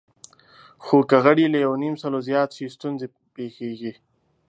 خو که غړي له یونیمسلو زیات شي، ستونزې پېښېږي.